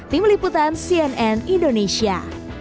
tim liputan cnn indonesia